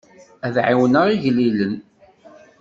Ad ɛawneɣ igellilen.